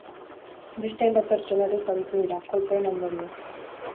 Beste hainbat pertsona ere zauritu dira, kolpeen ondorioz.